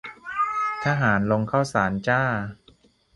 ทหารลงข้าวสารจร้า